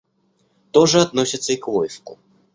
То же относится и к войску.